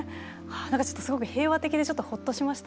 何かちょっとすごく平和的でちょっとほっとしました。